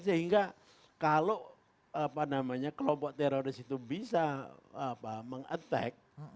sehingga kalau kelompok teroris itu bisa meng attack